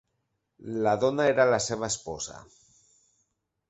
La dona era la seva esposa.